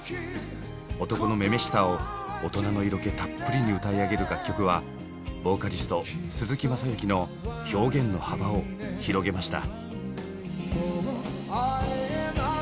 男の女々しさを大人の色気たっぷりに歌い上げる楽曲はボーカリスト鈴木雅之の表現の幅を広げました。